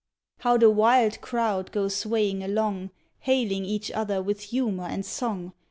How the wild crowd go swaying along, Hailing each other with humor and song!